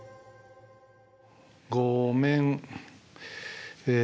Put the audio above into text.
「ごめん」え